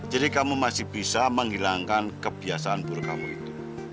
jadi kamu masih bisa menghilangkan kebiasaan buruk kamu itu